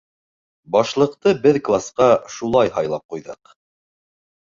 Башлыҡты беҙ класҡа шулай һайлап ҡуйҙыҡ.